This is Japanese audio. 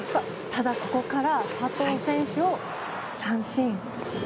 ただ、ここから佐藤選手を三振。